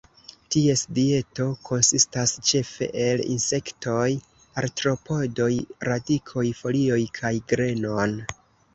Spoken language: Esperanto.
Ties dieto konsistas ĉefe el insektoj, artropodoj, radikoj, folioj kaj grenon.